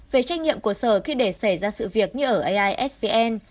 về trách nhiệm của sở khi để xảy ra sự việc như ở aisvn